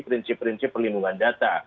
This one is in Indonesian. prinsip prinsip perlindungan data